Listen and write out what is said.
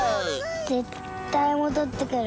ぜったいもどってくる。